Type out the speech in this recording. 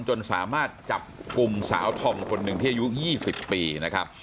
จนสามารถจับกลุ่มสาวธอมคนหนึ่งที่อายุ๒๐ปีนะครับ